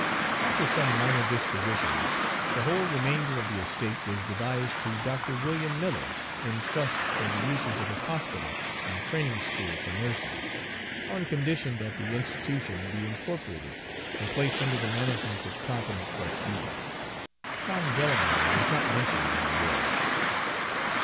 After some minor dispositions, the whole remainder of the estate was devised to Dr. William Miller, in trust for the uses of his hospital and training school for nurses, on condition that the institution be incorporated and placed under the management of competent trustees. Tom Delamere was not mentioned in the will.